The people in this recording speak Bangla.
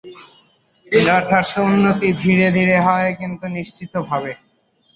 যথার্থ উন্নতি ধীরে ধীরে হয়, কিন্তু নিশ্চিতভাবে।